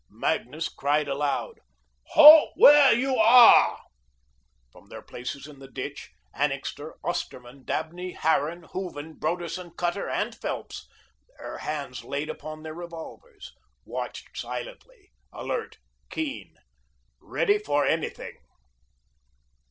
Magnus cried aloud: "Halt where you are." From their places in the ditch, Annixter, Osterman, Dabney, Harran, Hooven, Broderson, Cutter, and Phelps, their hands laid upon their revolvers, watched silently, alert, keen, ready for anything.